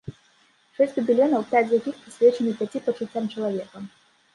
Шэсць габеленаў, пяць з якіх прысвечаны пяці пачуццям чалавека.